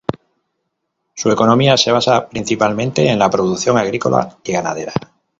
Su economía se basa principalmente en la producción agrícola y ganadera.